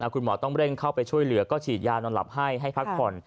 คุณหมอต้องเร่งเข้าไปช่วยเหลือก็ฉีดยานอนหลับให้ให้พักผ่อน